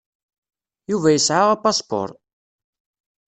Yuba yesɛa apaspuṛ.